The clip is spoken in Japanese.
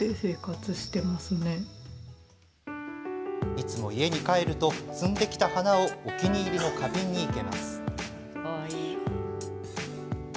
いつも家に帰ると摘んできた花をお気に入りの花瓶に生けます。